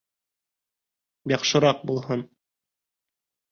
Яҡшыраҡ булһын!